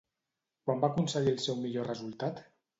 Quan va aconseguir el seu millor resultat?